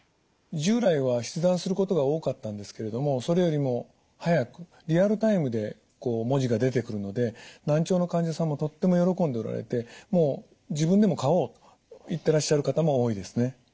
従来は筆談することが多かったんですけれどもそれよりも早くリアルタイムで文字が出てくるので難聴の患者さんもとっても喜んでおられてもう「自分でも買おう」と言ってらっしゃる方も多いですね。